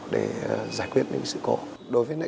để giải quyết những sự cố đối với